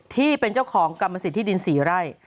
ที่เป็นเจ้าของกรรมสิทธิดิน๔ไร่